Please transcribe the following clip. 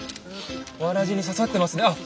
わらじに刺さってますあっ